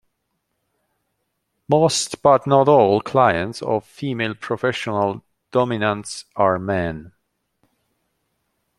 Most, but not all, clients of female professional dominants are men.